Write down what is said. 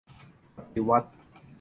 ปฏิวัติ !